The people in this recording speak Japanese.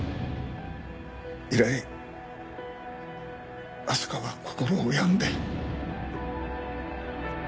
以来明日香は心を病んで。